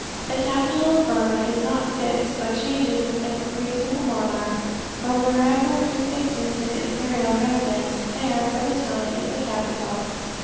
The capital of Burmah is not fixed, but changes with the caprice of the monarch, for wherever he fixes his imperial residence, there, for the time, is the capital.